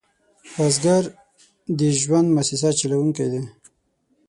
بزګر د ژوند موسسه چلوونکی دی